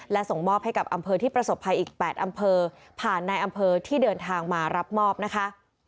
และส่งมอบให้กับอำเภอที่ประสบภัยอีก๘อำเภอผ่านในอำเภอที่เดินทางมารับมอบนะคะ